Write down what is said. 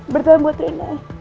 bertahan buat rina ya